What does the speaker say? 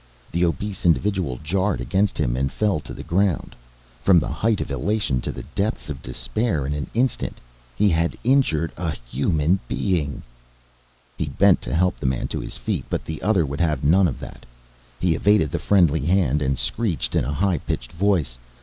The obese individual jarred against him and fell to the ground. From the height of elation to the depths of despair in an instant he had injured a human being! He bent to help the man to his feet, but the other would have none of that. He evaded the friendly hand and screeched in a high pitched voice.